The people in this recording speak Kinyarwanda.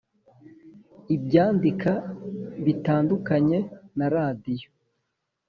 Ibyandika bitandukanye na Radiyo .